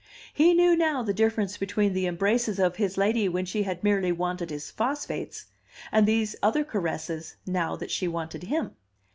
He knew now the difference between the embraces of his lady when she had merely wanted his phosphates, and these other caresses now that, she wanted him.